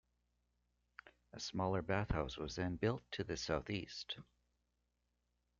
A smaller bathhouse was then built to the southeast.